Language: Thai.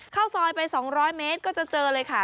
เข้าซอยไป๒๐๐เมตรก็จะเจอเลยค่ะ